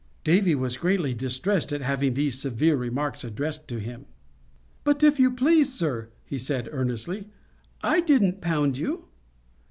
_ Davy was greatly distressed at having these severe remarks addressed to him. "If you please, sir," he said earnestly, "I didn't pound you."